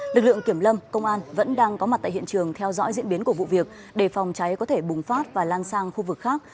lực lượng kiểm lâm công an vẫn đang có mặt tại hiện trường theo dõi diễn biến của vụ việc để phòng cháy có thể bùng phát và lan sang khu vực khác